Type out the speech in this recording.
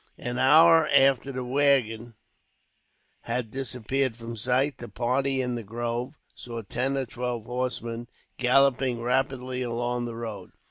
An hour after the waggon had disappeared from sight, the party in the grove saw ten or twelve horsemen galloping rapidly along the road.